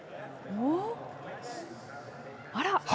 あら。